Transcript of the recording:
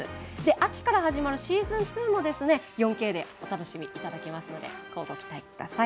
秋から始まるシーズン２も４Ｋでお楽しみいただけますのでご期待ください。